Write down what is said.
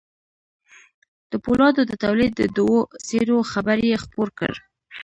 د پولادو د توليد د دوو څېرو خبر يې خپور کړ.